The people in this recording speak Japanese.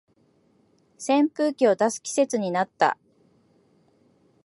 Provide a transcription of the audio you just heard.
扇風機を出す季節になった